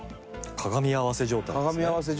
鏡合わせ状態ですね